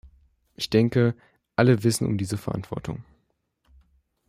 Ich denke, alle wissen um diese Verantwortung.